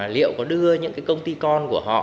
liệu có đưa những công ty con của họ